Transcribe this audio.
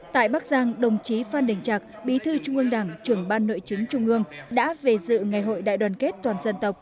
tại bắc giang đồng chí phan đình trạc bí thư trung ương đảng trưởng ban nội chính trung ương đã về dự ngày hội đại đoàn kết toàn dân tộc